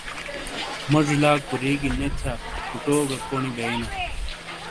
موزی لا کوریگی نے تھیا کوٹو گہ کونی بئیناں۔